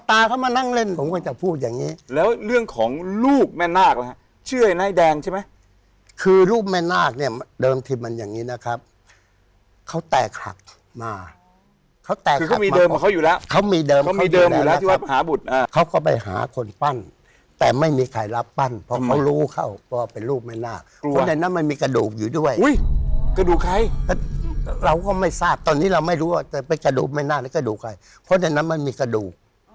มาเขาแตกคือเขามีเดิมเขาอยู่แล้วเขามีเดิมเขามีเดิมอยู่แล้วที่วัดหาบุตรอ่าเขาก็ไปหาคนปั้นแต่ไม่มีใครรับปั้นเพราะเขารู้เขาก็เป็นรูปแม่หน้ารู้ว่าคนในนั้นมันมีกระดูกอยู่ด้วยอุ้ยกระดูกใครเราก็ไม่ทราบตอนนี้เราไม่รู้ว่าจะไปกระดู